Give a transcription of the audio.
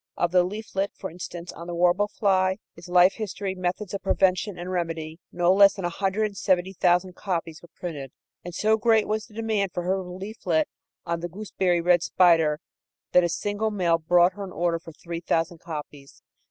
Of the leaflet, for instance, on the warble fly, its life history, methods of prevention and remedy, no less than a hundred and seventy thousand copies were printed. And so great was the demand for her leaflet on the gooseberry red spider that a single mail brought her an order for three thousand copies.